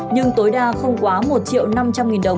nhưng tối đa không quá một triệu năm trăm linh nghìn đồng